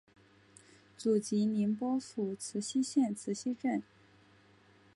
祖籍宁波府慈溪县慈城镇。